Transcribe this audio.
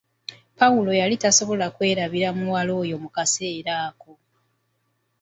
Pawulo yali tasobola kwerabira muwala oyo mu kaseera ako!